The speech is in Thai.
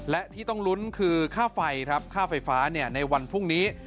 และที่ต้องลุ้นคือค่าไฟฟ้าในวันพรุ่งนี้